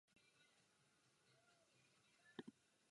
Evropský rozpočet a rozpočty vnitrostátní nelze přímo spojovat.